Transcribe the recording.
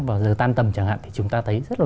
vào giờ tan tầm chẳng hạn thì chúng ta thấy rất là